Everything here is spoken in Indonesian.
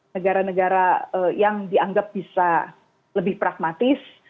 negara negara yang dianggap bisa lebih pragmatis